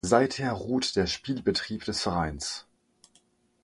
Seither ruht der Spielbetrieb des Vereins.